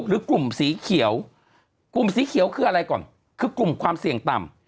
หรือกลุ่มสีเขียวกลุ่มสีเขียวคืออะไรก่อนคือกลุ่มความเสี่ยงต่ำ